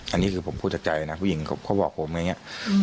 อันนี้คือผมพูดจากใจนะผู้หญิงเขาบอกผมอย่างนี้